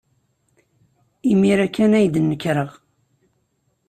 Imir-a kan ay d-nekreɣ.